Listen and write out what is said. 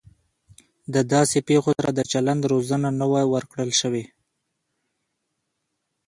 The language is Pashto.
د داسې پیښو سره د چلند روزنه نه وه ورکړل شوې